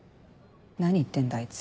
何言ってんだあいつ。